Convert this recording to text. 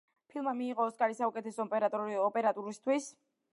ფილმმა მიიღო ოსკარი საუკეთესო ოპერატურისთვის.